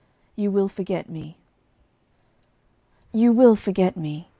YOU WILL FORGET ME. You will forget me.